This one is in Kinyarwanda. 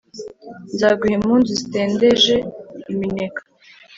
Nzaguha impundu zitendeje iminega*